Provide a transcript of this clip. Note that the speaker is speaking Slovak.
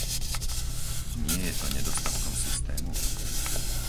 Nie je to nedostatkom systému?